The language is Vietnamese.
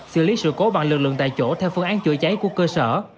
xử lý sự cố bằng lực lượng tại chỗ theo phương án chữa cháy của cơ sở